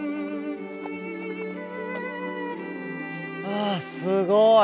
ああすごい。